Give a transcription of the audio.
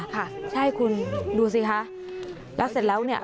ค่ะใช่คุณดูสิคะแล้วเสร็จแล้วเนี่ย